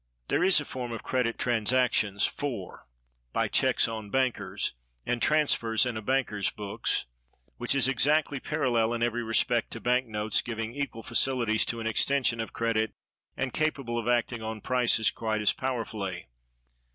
There is a form of credit transactions (4) by checks on bankers, and transfers in a banker's books, which is exactly parallel in every respect to bank notes, giving equal facilities to an extension of credit, and capable of acting on prices quite as powerfully.